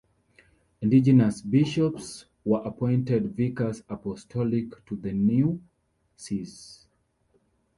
Indigenous bishops were appointed Vicars Apostolic to the new Sees.